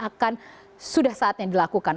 akan sudah saatnya dilakukan